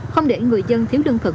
không để người dân thiếu lương thực